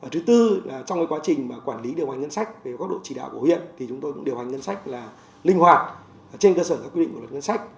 thứ tư trong quá trình quản lý điều hành ngân sách về các đội chỉ đạo của huyện chúng tôi cũng điều hành ngân sách là linh hoạt trên cơ sở các quy định của ngân sách